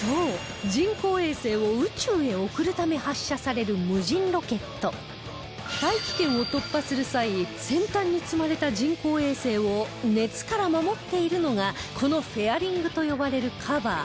そう人工衛星を宇宙へ送るため発射される無人ロケット大気圏を突破する際先端に積まれた人工衛星を熱から守っているのがこのフェアリングと呼ばれるカバー